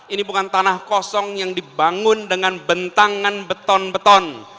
ini bukan tanah kosong yang dibangun dengan bentangan beton beton